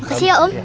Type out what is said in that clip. makasih ya om